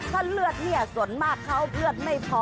ถ้าเลือดเนี่ยส่วนมากเขาเลือดไม่พอ